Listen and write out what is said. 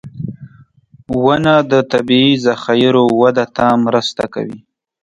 • ونه د طبعي ذخایرو وده ته مرسته کوي.